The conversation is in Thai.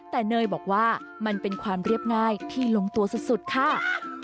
แต่เนยบอกว่ามันเป็นความเรียบง่ายที่ลงตัวสุดค่ะ